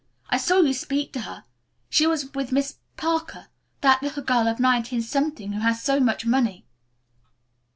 I saw you speak to her. She was with Miss Parker, that little girl of 19 who has so much money."